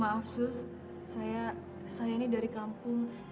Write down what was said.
maaf sus saya ini dari kampung